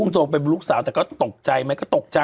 แต่เขาตกใจมั้ย